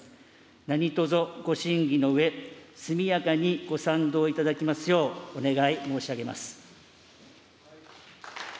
なにとぞご審議のうえ、速やかにご賛同いただきますよう、お願い申し上げます。